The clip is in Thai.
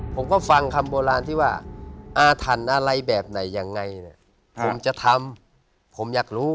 ผมก็ฟังคำโบราณที่ว่าอาถรรพ์อะไรแบบไหนยังไงเนี่ยผมจะทำผมอยากรู้